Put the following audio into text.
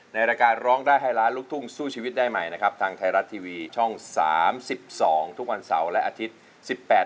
ในรายการร้องได้ให้ล้านลูกทุ่งสู้ชีวิตได้ใหม่นะครับทางไทยรัฐทีวีช่อง๓๒ทุกวันเสาร์และอาทิตย์สิบแปด